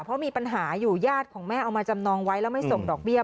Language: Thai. เพราะมีปัญหาอยู่ญาติของแม่เอามาจำนองไว้แล้วไม่ส่งดอกเบี้ย